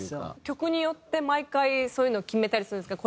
曲によって毎回そういうのを決めたりするんですか？